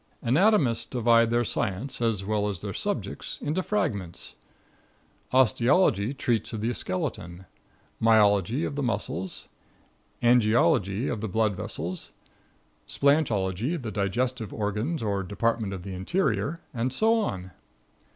Anatomists divide their science, as well as their subjects, into fragments. Osteology treats of the skeleton, myology of the muscles, angiology of the blood vessels, splanchology the digestive organs or department of the interior, and so on.